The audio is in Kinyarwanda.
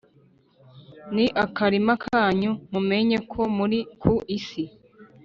ni akarima kanyu, mumenye ko muri ku isi,